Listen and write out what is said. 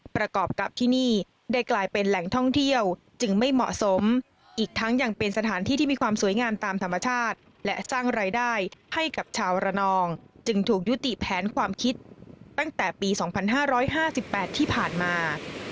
ประกอบกับที่นี่ได้กลายเป็นแหล่งท่องเที่ยวจึงไม่เหมาะสมอีกทั้งยังเป็นสถานที่ที่มีความสวยงามตามธรรมชาติและสร้างรายได้ให้กับชาวระนองจึงถูกยุติแผนความคิดตั้งแต่ปี๒๕๕๘ที่ผ่านมา